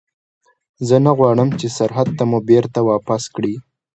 زه نه غواړم چې سرحد ته مو بېرته واپس کړي.